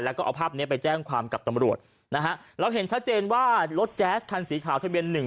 แล้วก็เอาภาพเนี้ยไปแจ้งความกับตำรวจนะฮะเราเห็นชัดเจนว่ารถแจ๊สคันสีขาวทะเบียนหนึ่ง